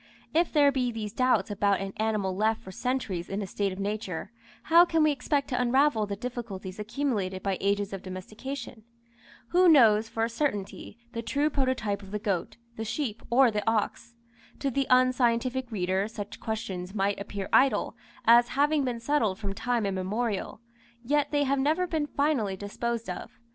If there be these doubts about an animal left for centuries in a state of nature, how can we expect to unravel the difficulties accumulated by ages of domestication? Who knows for a certainty the true prototype of the goat, the sheep, or the ox? To the unscientific reader such questions might appear idle, as having been settled from time immemorial; yet they have never been finally disposed of.